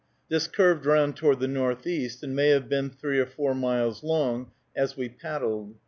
This curved round toward the northeast, and may have been three or four miles long as we paddled.